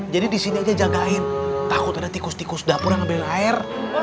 jadi disini aja jagain takut ada tikus tikus dapur yang ambil air